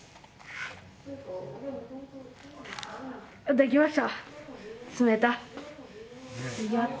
できました！